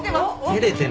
照れてる。